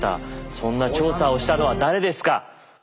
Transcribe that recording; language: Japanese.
そんな調査をしたのは誰ですか？